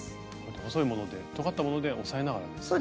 細い物でとがった物で押さえながらですかね？